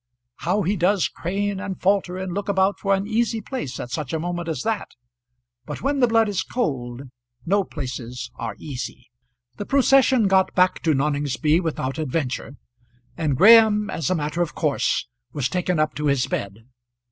How he does crane and falter and look about for an easy place at such a moment as that! But when the blood is cold, no places are easy. The procession got back to Noningsby without adventure, and Graham as a matter of course was taken up to his bed.